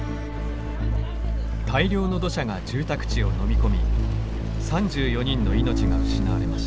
大量の土砂が住宅地をのみ込み３４人の命が失われました。